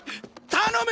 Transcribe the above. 頼む！